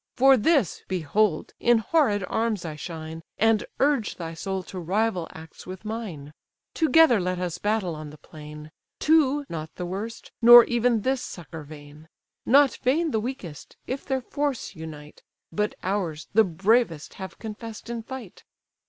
For this, behold! in horrid arms I shine, And urge thy soul to rival acts with mine. Together let us battle on the plain; Two, not the worst; nor even this succour vain: Not vain the weakest, if their force unite; But ours, the bravest have confess'd in fight."